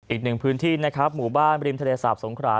อีกหนึ่งพื้นที่นะครับหมู่บ้านบริมทะเลสาบสงขรา